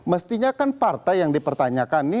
mestinya kan partai yang dipertanyakan ini